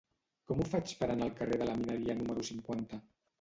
Com ho faig per anar al carrer de la Mineria número cinquanta?